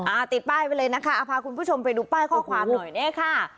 ติดป้ายไปเลยนะคะพาคุณผู้ชมไปดูป้ายข้อความหน่อยเนี่ยค่ะ